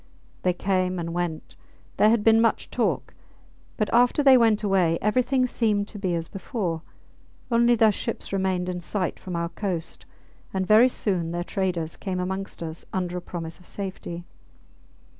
They came and went; there had been much talk, but after they went away everything seemed to be as before, only their ships remained in sight from our coast, and very soon their traders came amongst us under a promise of safety.